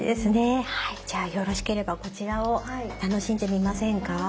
じゃあよろしければこちらを楽しんでみませんか？